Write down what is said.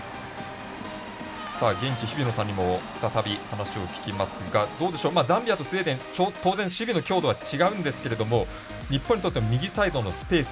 現地、日々野さんにも再び、話を聞きますがザンビアとスウェーデン当然、守備の強度は違うんですけども日本にとっては右サイドのスペース